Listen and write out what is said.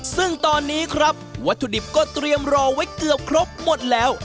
ซึ่งตอนนี้ครับวัตถุดิบก็เตรียมรอไว้เกือบครบหมดแล้ว